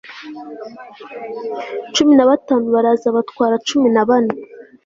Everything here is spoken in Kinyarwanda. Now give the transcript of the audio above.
Cumi na batanu baraza batwara cumi na bane